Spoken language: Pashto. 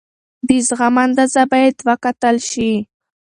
د زغم اندازه باید وکتل شي.